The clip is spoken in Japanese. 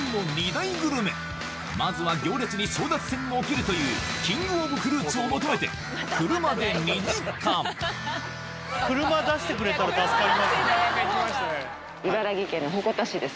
まずは行列に争奪戦も起きるというキングオブフルーツを求めて車で２時間車出していただいたほうが。